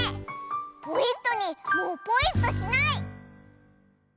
ポイットニーもうポイっとしない！